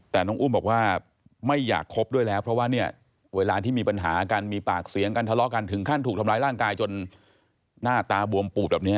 แต่น้องอุ้มบอกว่าไม่อยากคบด้วยแล้วเพราะว่าเนี่ยเวลาที่มีปัญหากันมีปากเสียงกันทะเลาะกันถึงขั้นถูกทำร้ายร่างกายจนหน้าตาบวมปูดแบบนี้